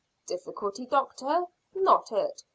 "Difficulty, doctor? Not it.